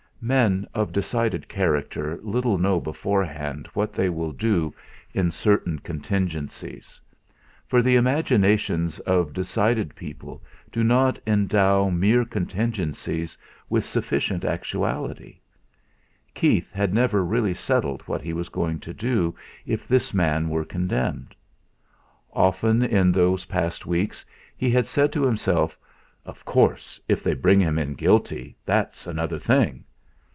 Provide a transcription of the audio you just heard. Men of decided character little know beforehand what they will do in certain contingencies. For the imaginations of decided people do not endow mere contingencies with sufficient actuality. Keith had never really settled what he was going to do if this man were condemned. Often in those past weeks he had said to himself: "Of course, if they bring him in guilty, that's another thing!"